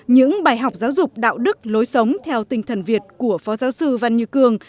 những bài học giáo dục đạo đức lối sống theo tinh thần việt của phó giáo sư văn như cường